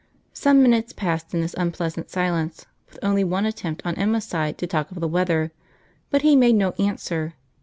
Some minutes passed in this unpleasant silence, with only one attempt on Emma's side to talk of the weather, but he made no answer.